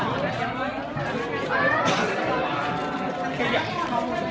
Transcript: ขอบคุณแม่ก่อนต้องกลางนะครับ